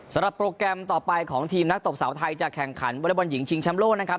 สำหรับโปรแกรมต่อไปของทีมนักตบสาวไทยจากแข่งขันวลีบร้อยหญิงชิงชำโลนะครับ